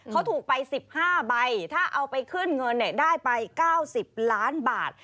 เขาถูกไป๑๕ใบถ้าเอาไปขึ้นเงินได้ไป๙๐ล้านบาท